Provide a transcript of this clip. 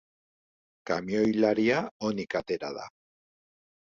Kamioilaria onik atera da.